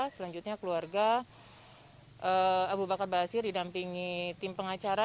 selanjutnya keluarga abu bakar basir didampingi tim pengacara